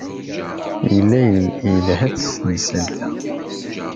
Yella yelha-d s temsalt-a.